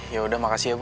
ya udah makasih ya bu